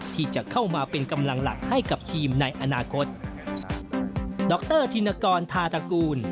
ที่จะเข้ามาเป็นกำลังหลักให้กับทีมในอนาคตด็อกเตอร์ธินกรธาตุกรุ่น